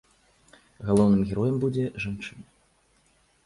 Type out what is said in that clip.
Галоўным героем будзе жанчына.